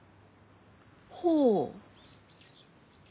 ほう。